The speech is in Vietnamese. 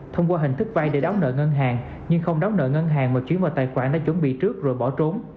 thông qua hình thức vay để đáo nợ ngân hàng nhưng không đóng nợ ngân hàng mà chuyển vào tài khoản để chuẩn bị trước rồi bỏ trốn